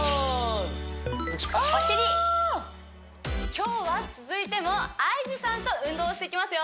今日は続いてもＩＧさんと運動していきますよ！